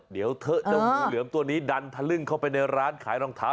เดี๋ยวเถอะเจ้างูเหลือมตัวนี้ดันทะลึ่งเข้าไปในร้านขายรองเท้า